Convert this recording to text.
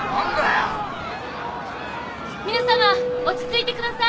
皆さま落ち着いてください！